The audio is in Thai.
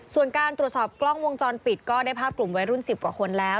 ส่วนการตรวจสอบกล้องวงจรปิดก็ได้ภาพกลุ่มวัยรุ่น๑๐กว่าคนแล้ว